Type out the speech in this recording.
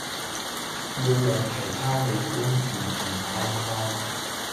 要讓其他器官健健康康